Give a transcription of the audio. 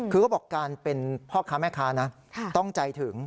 คือเขาบอกการเป็นพ่อค้าแม่ค้านะต้องใจถึง